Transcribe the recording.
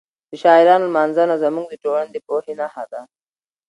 د شاعرانو لمانځنه زموږ د ټولنې د پوهې نښه ده.